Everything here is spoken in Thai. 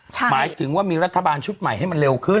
หมายถึงว่ามีรัฐบาลชุดใหม่ให้มันเร็วขึ้น